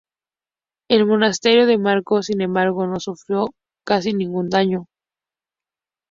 El monasterio de Marko, sin embargo, no sufrió casi ningún daño.